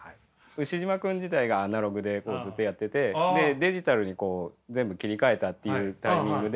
「ウシジマくん」時代がアナログでずっとやっててでデジタルにこう全部切り替えたっていうタイミングで。